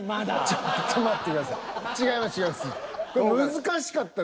難しかった。